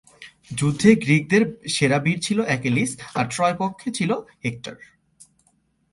যুদ্ধ এ গ্রীকদের সেরা বীর ছিল অ্যাকিলিস আর ট্রয় পক্ষে ছিল হেক্টর।